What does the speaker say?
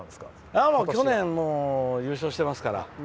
去年、優勝してますから。